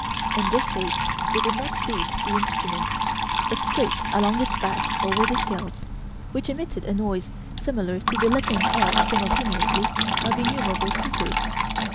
In this case they did not beat the instrument, but scraped along its back over the scales, which emitted a noise similar to the letting off simultaneously of innumerable crackers.